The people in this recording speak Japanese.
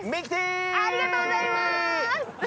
ありがとうございます！